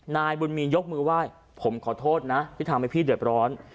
นายบุญมียกมือไหว้ผมขอโทษนะที่ทำให้พี่เดือดร้อน